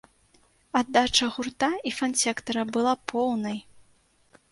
Аддача гурта і фан-сектара была поўнай.